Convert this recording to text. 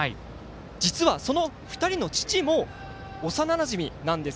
実はその２人の父も幼なじみなんです。